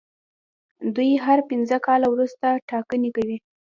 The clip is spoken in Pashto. دوی هر پنځه کاله وروسته ټاکنې کوي.